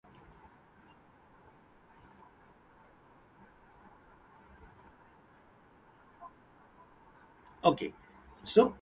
The film shows its central characters seeking spiritual help in their daily lives.